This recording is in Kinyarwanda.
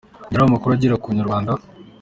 Mu gihe hari amakuru agera ku Inyarwanda.